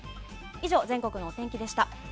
以上、全国のお天気でした。